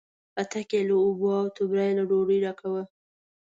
پتک یې له اوبو، او توبره یې له ډوډۍ ډکه وه.